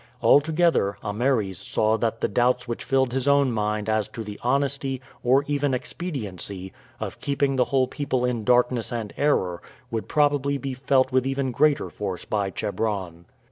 Altogether, Ameres saw that the doubts which filled his own mind as to the honesty, or even expediency, of keeping the whole people in darkness and error would probably be felt with even greater force by Chebron.